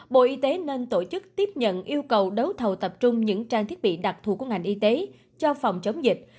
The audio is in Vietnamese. bộ y tế nên tổ chức tiếp nhận yêu cầu đấu thầu tập trung những trang thiết bị đặc thù của ngành y tế cho phòng chống dịch